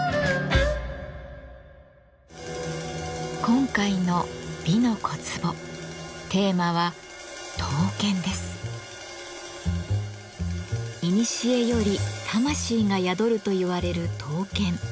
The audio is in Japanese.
今回の「美の小壺」テーマはいにしえより魂が宿るといわれる刀剣。